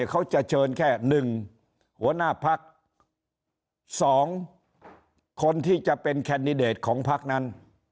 เขาจะเชิญแค่๑หัวหน้าพัก๒คนที่จะเป็นแคนดิเดตของพักนั้น